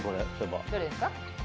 どれですか？